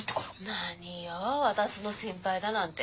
何よ私の心配だなんて。